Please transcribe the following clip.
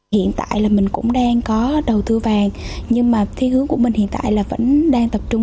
hiện tại là mình cũng đang có đầu tư vàng nhưng mà thi hướng của mình hiện tại là vẫn đang tập trung